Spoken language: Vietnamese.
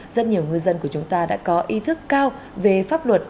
rất nhiều ngư dân của chúng ta đã có ý thức cao về pháp luật